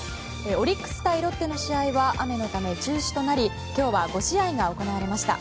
オリックス対ロッテの試合は雨で中止となり今日は５試合が行われました。